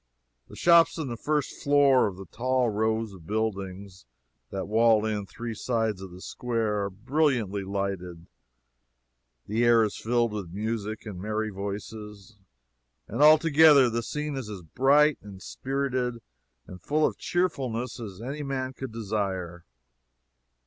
The shops in the first floor of the tall rows of buildings that wall in three sides of the square are brilliantly lighted, the air is filled with music and merry voices, and altogether the scene is as bright and spirited and full of cheerfulness as any man could desire.